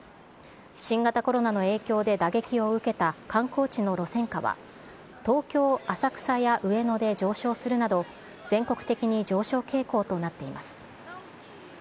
新型コロナの影響で打撃を受けた観光地の路線価は、東京・浅草や上野で上昇するなど、全国的に上昇傾向となっています。